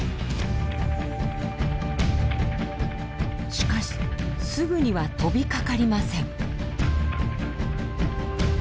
しかしすぐには飛びかかりません。